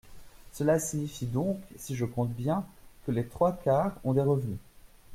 Cela signifie donc, si je compte bien, que les trois quarts ont des revenus.